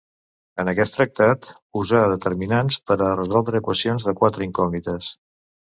En aquest tractat usà determinants per a resoldre equacions de quatre incògnites.